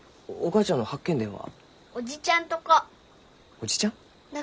おじちゃんとこ。